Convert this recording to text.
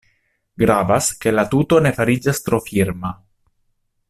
Gravas ke la tuto ne fariĝas tro firma.